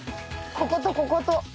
こことこことこれ！